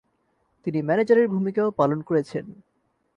তিনি ম্যানেজারের ভূমিকাও পালন করেছেন।